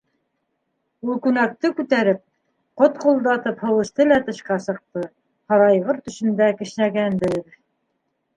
Ул күнәк-те күтәреп, котғолдатып һыу эсте лә тышҡа сыҡты, һарайғыр төшөндә кешнәгәндер...